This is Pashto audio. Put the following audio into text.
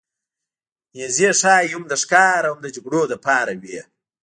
نیزې ښايي هم د ښکار او هم د جګړو لپاره وې.